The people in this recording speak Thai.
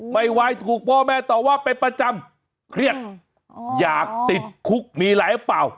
ไม่ไหวถูกพ่อแม่ต่อว่าเป็นประจำเครียดอยากติดคุกมีอะไรหรือเปล่า